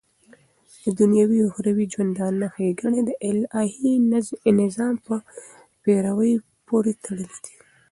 ددنيوي او اخروي ژوندانه ښيګڼي دالهي نظام په پيروۍ پوري تړلي دي